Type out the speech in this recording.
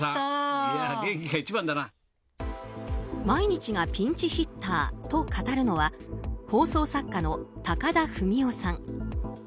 毎日がピンチヒッターと語るのは放送作家の高田文夫さん。